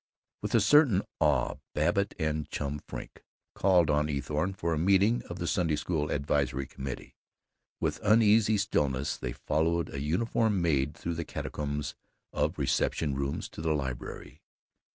With a certain awe Babbitt and Chum Frink called on Eathorne for a meeting of the Sunday School Advisory Committee; with uneasy stillness they followed a uniformed maid through catacombs of reception rooms to the library.